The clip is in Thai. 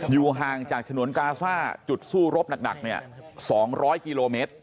อยู่ห่างจากฉนวนกาซ่าจุดสู้รบหนักหนักเนี่ยสองร้อยกิโลเมตร